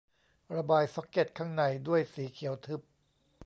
ระบายซ็อกเก็ตข้างในด้วยสีเขียวทึบ